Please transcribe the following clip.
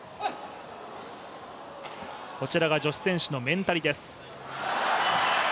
こちらが女子選手のメンタリです。